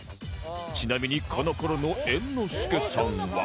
ちなみにこの頃の猿之助さんは